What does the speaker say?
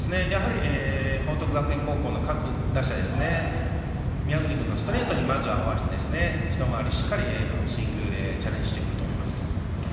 報徳学園高校の各打者は宮國君のストレートにまずは合わせて一回り、しっかりスイングをチャレンジしてくると思います。